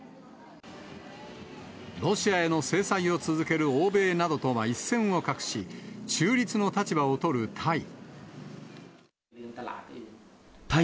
ロシアへの制裁を続ける欧米などとは一線を画し、中立の立場を取るタイ。